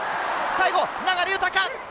最後、流大。